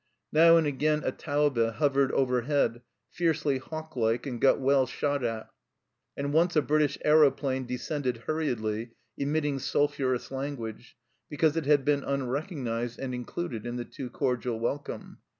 Now and again a Taube hovered over head, fiercely hawk like, and got well shot at ; and once a British aeroplane descended hurriedly, emitting sulphurous language, because it had been unrecognized and included in the too cordial welcome.